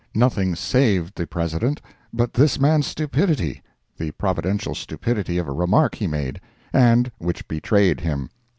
Nothing saved the President but this man's stupidity—the providential stupidity of a remark he made, and which betrayed him.